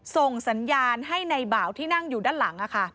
ส่งสัญญาณให้ในบ่าวที่นั่งอยู่ด้านหลัง